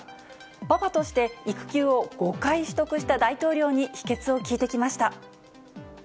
パパとして、育休を５回取得した大統領に秘けつを聞いてきました。